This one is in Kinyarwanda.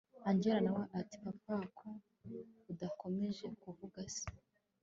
angella nawe ati papa ko udakomeje kuvuga se